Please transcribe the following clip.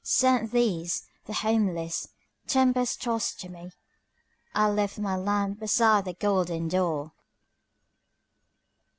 Send these, the homeless, tempest tost to me,I lift my lamp beside the golden door!"